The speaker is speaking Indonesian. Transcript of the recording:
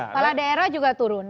kepala daerah juga turunan